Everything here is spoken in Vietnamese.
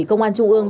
công an trung ương